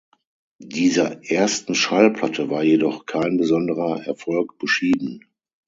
Dieser ersten Schallplatte war jedoch kein besonderer Erfolg beschieden.